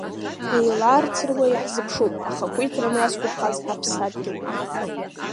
Еилаарцыруа иаҳзыԥшуп, ахакуиҭра мра зқуԥхаз хаԥсадгьыл!